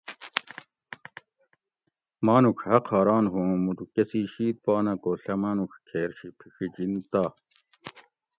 مانوڄ حق حاراں ہو اُوں مُٹو کسی شید پا نہ کو ڷہ مانوڄ کھیر شی پھڛِجنت تہ